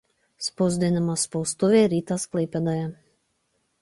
Spausdino spaustuvė Rytas Klaipėdoje.